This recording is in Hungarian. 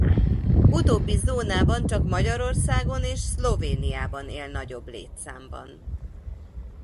Utóbbi zónában csak Magyarországon és Szlovéniában él nagyobb létszámban.